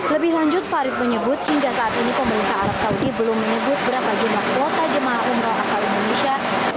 lebih lanjut farid menyebut hingga saat ini pemerintah arab saudi belum menyebut berapa jumlah kuota jemaah umroh asal indonesia